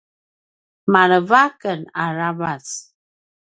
maleva aken aravac